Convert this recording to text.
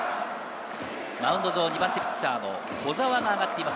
マウンド上、２番手ピッチャーの小澤が上がっています。